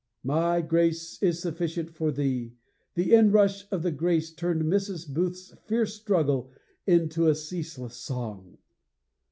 My grace is sufficient for thee the inrush of the grace turned Mrs. Booth's fierce struggle into a ceaseless song!